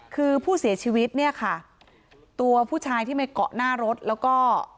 คือผู้เสียชีวิตเนี่ยค่ะตัวผู้ชายที่ไปเกาะหน้ารถแล้วก็